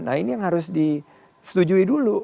nah ini yang harus disetujui dulu